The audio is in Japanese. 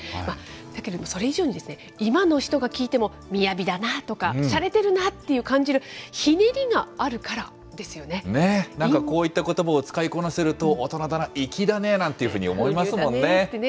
だけれども、それ以上に今の人が聞いても、みやびだなとか、しゃれてるなって感じるひねりがあるなんかこういったことばを使いこなせると、大人だな、粋だねなんていうふうに思いますもんね。